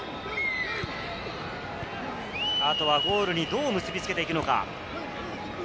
あとはゴールにどう結びつけていくのか。